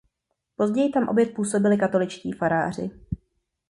Později tam opět působili katoličtí faráři.